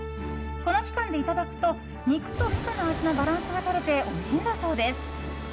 この期間でいただくと肉とみその味のバランスが取れておいしいんだそうです。